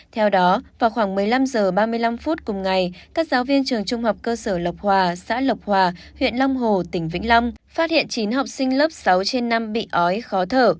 theo đó vào khoảng một mươi năm h ba mươi năm phút cùng ngày các giáo viên trường trung học cơ sở lộc hòa xã lộc hòa huyện long hồ tỉnh vĩnh long phát hiện chín học sinh lớp sáu trên năm bị ói khó thở